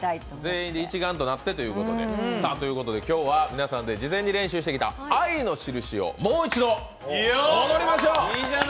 全員で一丸となってということで、今日は事前に練習してきた「愛のしるし」を、もう一度、踊りましょう！